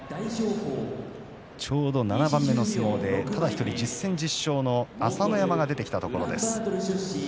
ちょうど７番目の相撲でただ１人１０戦１０勝の朝乃山が出てきたところです。